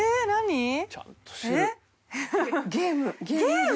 ゲーム？